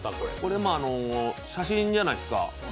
写真じゃないですか。